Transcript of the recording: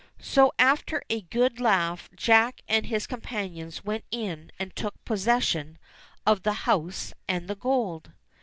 So, after a good laugh. Jack and his companions went in and took possession of the house and the gold.